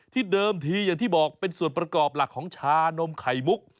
เดิมทีอย่างที่บอกเป็นส่วนประกอบหลักของชานมไข่มุก